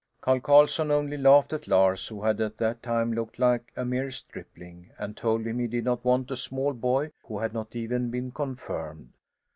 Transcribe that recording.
Carl Carslon only laughed at Lars, who at that time looked like a mere stripling, and told him he did not want a small boy who had not even been confirmed.